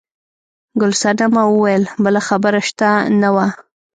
ګل صنمه وویل بله خبره شته نه وه.